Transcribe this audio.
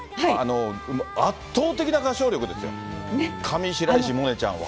圧倒的な歌唱力ですよ、上白石萌音ちゃんは。